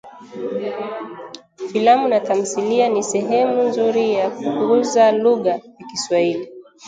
Filamu na thamthilia ni sehemu nzuri ya kukuza lugha ya Kiswahili